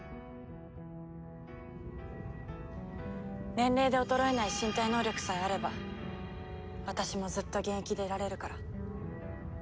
年齢で衰えない身体能力さえあれば私もずっと現役でいられるから。